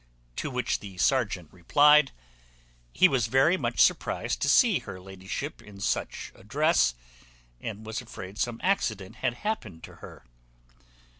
To which the serjeant replied, "He was very much surprized to see her ladyship in such a dress, and was afraid some accident had happened to her."